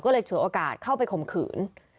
ก็เลยฉวยโอกาสเข้าไปข่มขืน